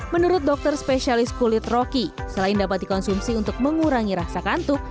menurut dokter spesialis kulit rocky selain dapat dikonsumsi untuk mengurangi rasa kantuk